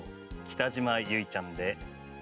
北島由唯ちゃんで